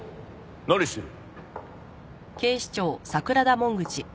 何してる？